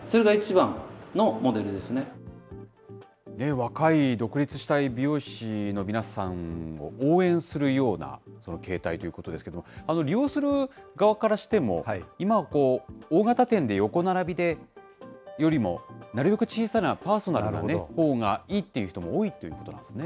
若い独立したい美容師の皆さんを応援するような形態ということですけれども、利用する側からしても、今、大型店で横並びでよりも、なるべく小さな、パーソナルなほうがいいっていう人も多いっていうことなんですね。